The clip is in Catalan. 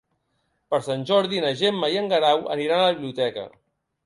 Per Sant Jordi na Gemma i en Guerau aniran a la biblioteca.